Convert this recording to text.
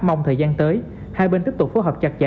mong thời gian tới hai bên tiếp tục phối hợp chặt chẽ